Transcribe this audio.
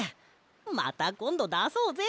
またこんどだそうぜ！